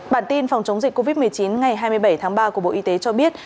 bản tin phòng chống dịch covid một mươi chín ngày hai mươi bảy tháng ba của bộ y tế cho biết